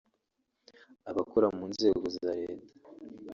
abakora mu nzego za leta